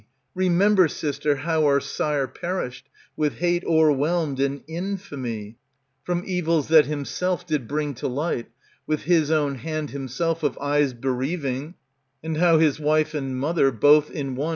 remember, sister, how our sire Perished, with hate overwhelmed and infamy, ^ From evils that himself did bring to light,^ With his own hand himself of eyes bereaving, And how his wife and mother, both in one.